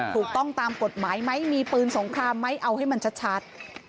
ถูกต้องตามกฎหมายไหมมีปืนสงครามไหมเอาให้มันชัด